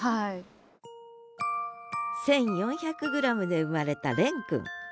１，４００ｇで生まれた蓮くん。